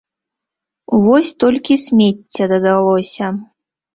Вось толькі смецця дадалося.